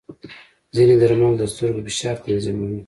ځینې درمل د سترګو فشار تنظیموي.